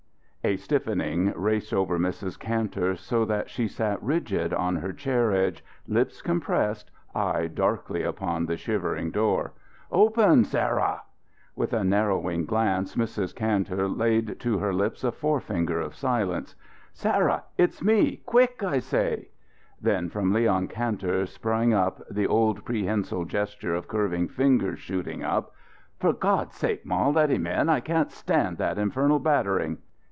A stiffening raced over Mrs. Kantor, so that she sat rigid on her chair edge, lips compressed, eye darkly upon the shivering door. "Open Sarah!" With a narrowing glance, Mrs. Kantor laid to her lips a forefinger of silence. "Sarah, it's me! Quick, I say!" Then Leon Kantor sprang up, the old prehensile gesture of curving fingers shooting up. "For God's sake, ma, let him in! I can't stand that infernal battering."